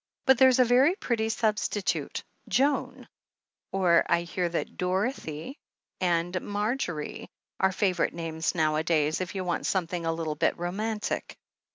But there's a very pretty substitute — ^Joan — or I hear that Dorothy and Margery are favourite names nowadays, if you want something a little bit romantic."